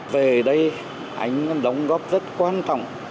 về đây anh đóng góp rất quan trọng